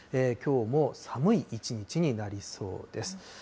きょうも寒い一日になりそうです。